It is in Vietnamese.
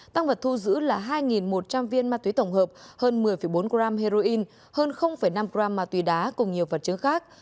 tăng vật thu giữ là hai một trăm linh viên ma túy tổng hợp hơn một mươi bốn g heroin hơn năm gram ma túy đá cùng nhiều vật chứng khác